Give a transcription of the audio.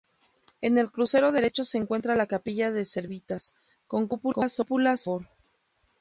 En el crucero derecho se encuentra la Capilla de Servitas, con cúpula sobre tambor.